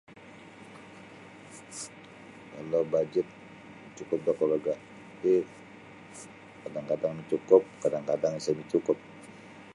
Kalau bajet cukup da kaluarga' ti kadang-kadang cukup kadang-kadang isa micukup.